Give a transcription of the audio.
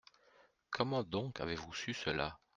Comment donc avez-vous su cela ?